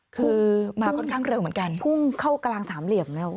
คือมาค่อนข้างเร็วเหมือนกันพุ่งเข้ากลางสามเหลี่ยมแล้ว